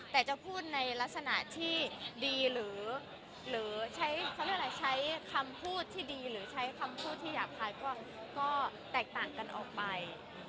แต่จะพูดในลักษณะที่ดีหรือใช้เขาเรียกอะไรใช้คำพูดที่ดีหรือใช้คำพูดที่หยาบคายก็แตกต่างกันออกไป